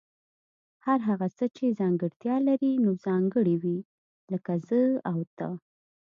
هر هغه څه چي ځانګړتیا لري نو ځانګړي وي لکه زه او ته